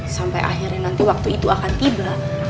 sampai akhirnya nanti waktu itu akan tiba